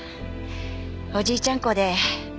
おじいちゃん子で。